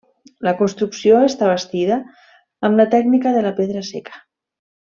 La construcció està bastida amb la tècnica de la pedra seca.